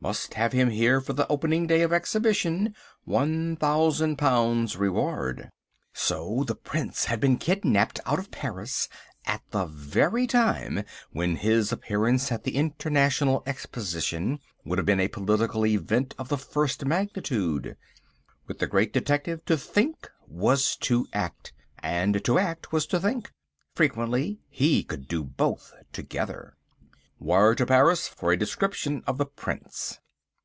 Must have him here for the opening day of Exhibition. £1,000 reward." So! The Prince had been kidnapped out of Paris at the very time when his appearance at the International Exposition would have been a political event of the first magnitude. With the Great Detective to think was to act, and to act was to think. Frequently he could do both together. "Wire to Paris for a description of the Prince."